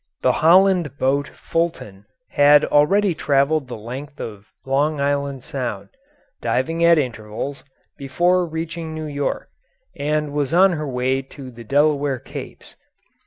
The Holland boat Fulton had already travelled the length of Long Island Sound, diving at intervals, before reaching New York, and was on her way to the Delaware Capes.